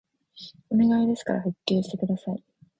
お願いですから復旧してください